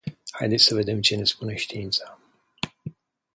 Haideți să vedem ce ne spune știința.